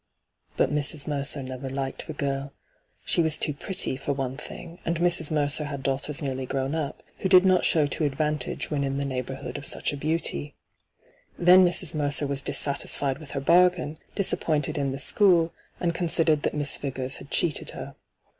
But Mrs. Mercer never liked the girl. She was too pretty, for one thing, and Mrs. Mercer had daughters nearly grown up, who did not show to advantage when in t^e neighbourhood hyGoogIc 14 ENTRAPPED of such a beauty. Then Mrs. Meroer was dissatisfitid wit^ her bupun, disappointed in the school, and considered that Miss Vigors had cheated her.